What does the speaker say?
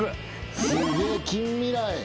すげえ近未来。